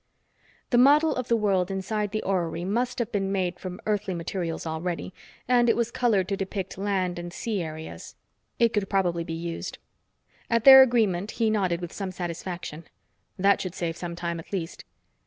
The model of the world inside the orrery must have been made from earthly materials already, and it was colored to depict land and sea areas. It could probably be used. At their agreement, he nodded with some satisfaction. That should save some time, at least.